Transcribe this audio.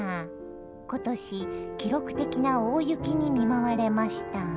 今年記録的な大雪に見舞われました。